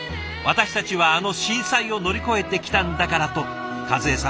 「私たちはあの震災を乗り越えてきたんだから」と和江さん。